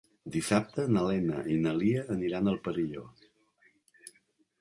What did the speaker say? Dissabte na Lena i na Lia aniran al Perelló.